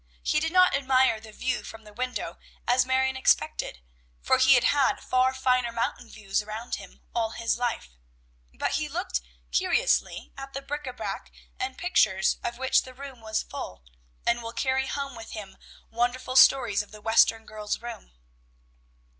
He did not admire the view from the window, as Marion expected, for he had had far finer mountain views around him all his life; but he looked curiously at the bric a brac and pictures, of which the room was full, and will carry home with him wonderful stories of the Western girl's room.